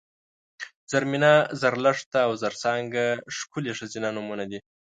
زرمېنه ، زرلښته او زرڅانګه ښکلي ښځینه نومونه دي